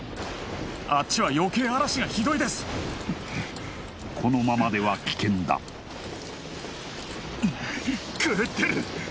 あっちはよけい嵐がひどいですこのままでは危険だ狂ってる！